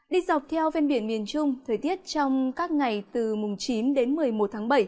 đi dọc theo ven biển miền trung thời tiết trong các ngày từ mùng chín đến một mươi một tháng bảy